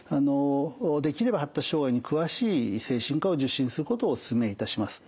できれば発達障害に詳しい精神科を受診することをお勧めいたします。